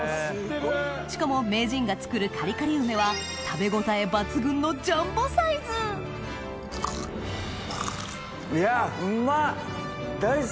しかも名人が作るカリカリ梅は食べ応え抜群のジャンボサイズいやうまっ！